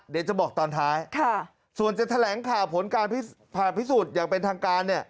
เดี๋ยวจะบอกตอนท้ายส่วนจะแถลงข่าวผลการผ่าพิสูจน์อย่างเป็นทางการเนี่ย